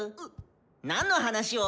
何の話を。